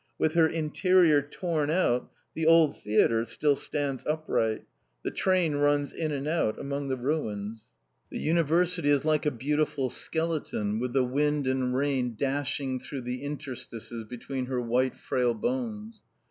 With her interior torn out, the old theatre still stands upright. The train runs in and out among the ruins. The University is like a beautiful skeleton, with the wind and rain dashing through the interstices between her white frail bones.